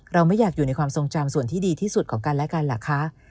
เราไม่อยากอยู่ในความทรงจำส่วนที่ดีที่สุดของกันและกันเหรอคะ